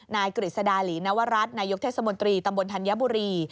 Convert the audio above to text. กฤษดาหลีนวรัฐนายกเทศมนตรีตำบลธัญบุรี